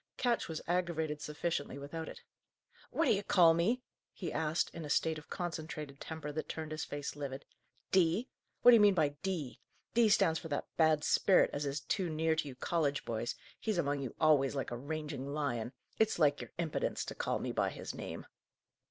Ketch was aggravated sufficiently without it. "What d'ye call me?" he asked, in a state of concentrated temper that turned his face livid. "'D?' What d'ye mean by 'D?' D stands for that bad sperit as is too near to you college boys; he's among you always, like a ranging lion. It's like your impedence to call me by his name."